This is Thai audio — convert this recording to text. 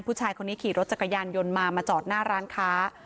ผู้ชายคนนี้ขี่รถจักรยานยนต์มามาจอดหน้าร้านค้า